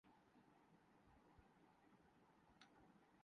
پشاورسے چترال تک کا سفر چودہ گھنٹوں میں طے ہوتا ہے ۔